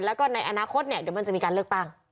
แล้วก็ในอนาคตเนี่ยเดี๋ยวมันจะมีการเลือกตั้ง